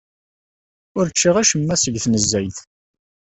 Ur ččiɣ acemma seg tnezzayt.